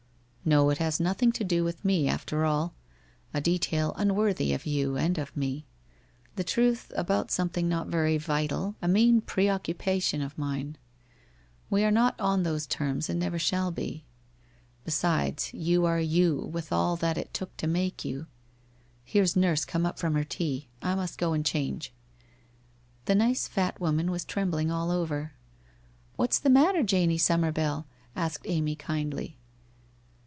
' Xo, it has nothing to do with me, after all. A detail, unworthy of you and of me. The truth about something not very vital, a mean pre occupation of mine. We are not on those terms and never shall be. Besides, you are you, with all that it took to make you . Here's Nurse, come up from her tea ! I must go and change/ The nice fat woman was trembling all over. 'What's the matter, Janie Summerbell?' asked Amy kindly.